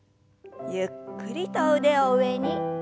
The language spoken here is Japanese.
ゆっくりと腕を上に。